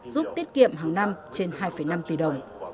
giúp tiết kiệm hàng năm trên hai năm tỷ đồng